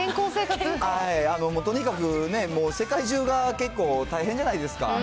はい、とにかくね、もう世界中が結構、大変じゃないですか。